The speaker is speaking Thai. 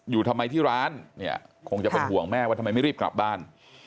อยู่ทำไมที่ร้านเนี่ยคงจะเป็นห่วงแม่ว่าทำไมไม่รีบกลับบ้าน